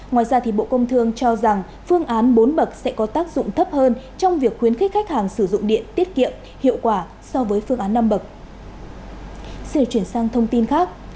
ngoài ra bộ công thương cho rằng phương án bốn bậc sẽ có tác dụng thấp hơn trong việc khuyến khích khách hàng sử dụng điện tiết kiệm hiệu quả so với phương án năm bậc